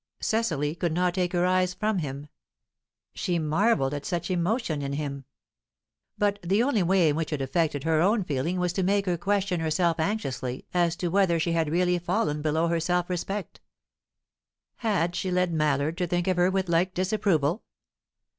Cecily could not take her eyes from him. She marvelled at such emotion in him. But the only way in which it affected her own feeling was to make her question herself anxiously as to whether she had really fallen below her self respect. Had she led Mallard to think of her with like disapproval?